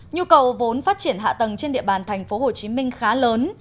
nhu cầu vốn phát triển hạ tầng trên địa bàn tp hcm khá lớn